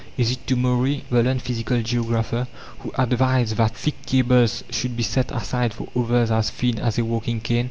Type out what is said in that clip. Is it to Maury, the learned physical geographer, who advised that thick cables should be set aside for others as thin as a walking cane?